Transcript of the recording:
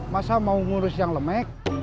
masa mau ngurus yang lemek